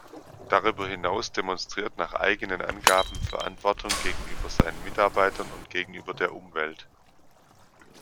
Darüber hinaus demonstriert nach eigenen Angaben Verantwortung gegenüber seinen Mitarbeitern und gegenüber der Umwelt.